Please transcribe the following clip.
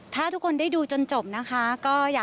ถ้าทุกคนได้ดูจนจบนะคะ